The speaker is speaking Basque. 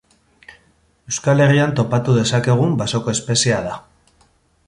Euskal Herrian topatu dezakegun basoko espeziea da.